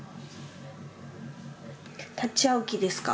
立ち会う気ですか？